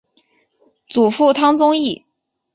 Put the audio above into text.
祖父汤宗义。